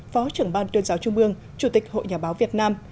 phó trưởng ban tuyên giáo trung ương chủ tịch hội nhà báo việt nam